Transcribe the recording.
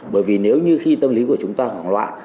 bởi vì nếu như khi tâm lý của chúng ta hoảng loạn